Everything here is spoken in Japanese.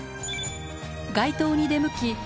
街頭に出向き